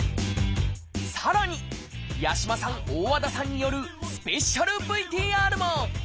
さらに八嶋さん大和田さんによるスペシャルＶＴＲも！